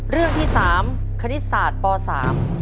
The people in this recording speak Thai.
เรื่องที่๓คณิตศาสตร์ป่อสาร